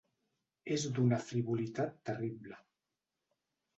És d’una frivolitat terrible.